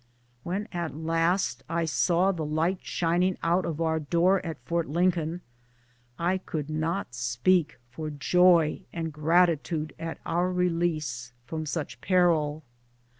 When at last I saw the light shining out of our door at Fort Lincoln I could not speak for joy and gratitude at our release from such peril.